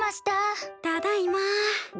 ただいま。